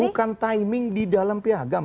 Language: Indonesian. bukan timing di dalam piagam